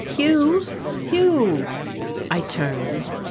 "Hugh! Hugh!" I turned.